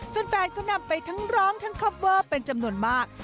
แฟนก็นำไปทั้งร้องทั้งคอปเวอร์เป็นจำนวนมาก